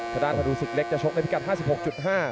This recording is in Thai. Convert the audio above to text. สดานภาษาสิกเล็กจะชกในพิกัด๕๖๕